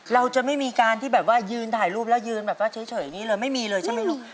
เราจะไม่มีการที่แบบว่ายืนถ่ายรูปแล้วยืนแบบว่าเฉยอย่างนี้เลยไม่มีเลยใช่ไหมลูก